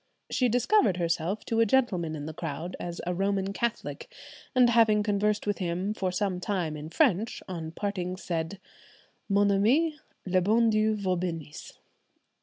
She discovered herself to a gentleman in the crowd as a Roman Catholic, and having conversed with him for some time in French, on parting said, "Mon ami, le bon Dieu vous benisse."